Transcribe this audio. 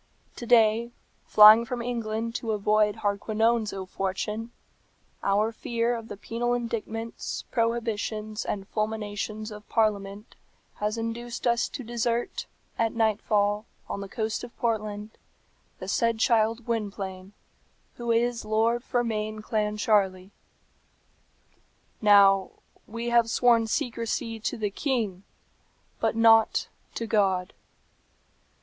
"To day, flying from England to avoid Hardquanonne's ill fortune, our fear of the penal indictments, prohibitions, and fulminations of Parliament has induced us to desert, at night fall, on the coast of Portland, the said child Gwynplaine, who is Lord Fermain Clancharlie. "Now, we have sworn secrecy to the king, but not to God.